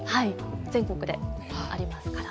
全国であります。